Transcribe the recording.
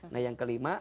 nah yang kelima